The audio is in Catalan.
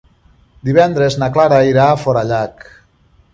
Divendres na Clara irà a Forallac.